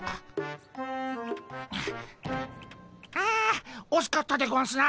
あおしかったでゴンスな。